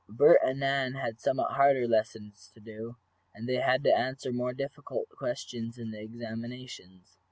Bert and Nan had somewhat harder lessons to do, and they had to answer more difficult questions in the examinations.